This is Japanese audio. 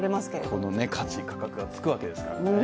この価値、価格がつくわけですからね。